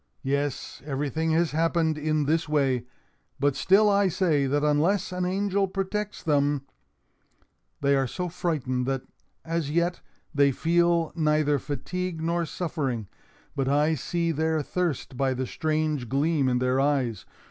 Yes, everything has happened in this way, but still I say that unless an angel protects them—— "They are so frightened that, as yet, they feel neither fatigue nor suffering. But I see their thirst by the strange gleam in their eyes.